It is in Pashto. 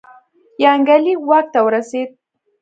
یانګلي واک ته ورسېد.